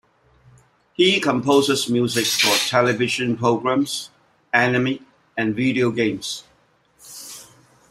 He composes music for television programs, anime, and video games.